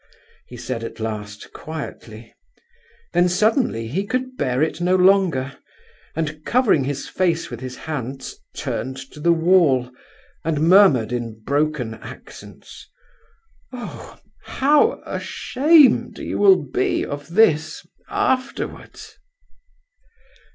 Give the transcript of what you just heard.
he said, at last, quietly. Then, suddenly, he could bear it no longer, and covering his face with his hands, turned to the wall, and murmured in broken accents: "Oh! how ashamed you will be of this afterwards!"